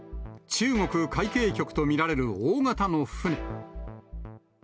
中国海警局と見られる大型の船。